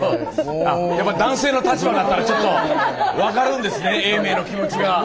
やっぱ男性の立場だったらちょっと分かるんですね永明の気持ちが。